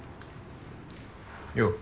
よう。